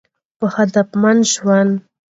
په هدفمند ژوند